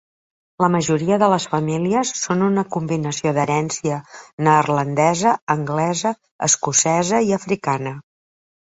La majoria de les famílies són una combinació d'herència neerlandesa, anglesa, escocesa i africana.